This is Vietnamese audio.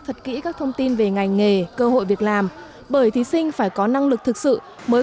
thật kỹ các thông tin về ngành nghề cơ hội việc làm bởi thí sinh phải có năng lực thực sự mới